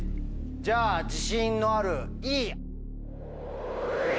じゃあ自信のあるＥ。